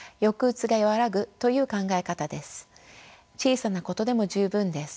小さなことでも十分です。